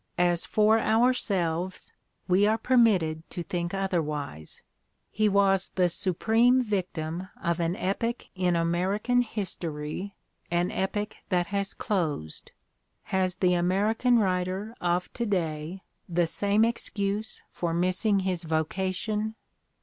As for ourselves, we are permitted to think otherwise. He was the supreme victim of an epoch in American history, an epoch that has closed. Has the American writer of to day the same excuse for missing his vocation?